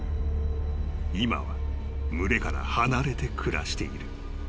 ［今は群れから離れて暮らしている］